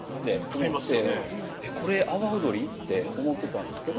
これ阿波踊り？って思ってたんですけど